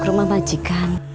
buk rumah majikan